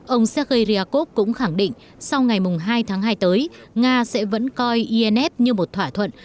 ông sergei ryakov cũng khẳng định sau ngày hai tháng hai tới nga sẽ vẫn coi inf như một thỏa thuận